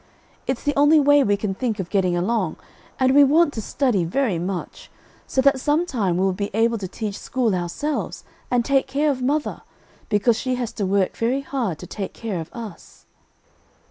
It's the only way we can think of getting along, and we want to study very much, so that sometime we will be able to teach school ourselves, and take care of mother, because she has to work very hard to take care of us."